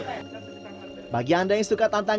bagi anda yang suka tantangan dan singgah di kota semarang